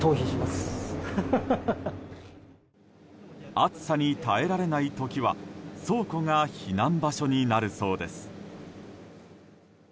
暑さに耐えられない時は倉庫が避難場所になるそうです。